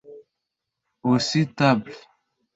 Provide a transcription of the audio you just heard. Oasis Table